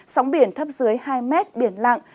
sóng biển thấp dưới hai mét biển lặng